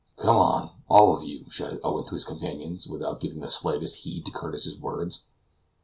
"Come on, all of you," shouted Owen to his companions, without giving the slightest heed to Curtis's words.